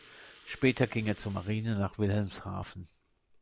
Später ging er zur Marine nach Wilhelmshaven.